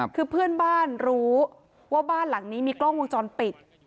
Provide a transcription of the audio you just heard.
คือเพื่อนบ้านรู้ว่าบ้านหลังนี้มีกล้องวงจรปิด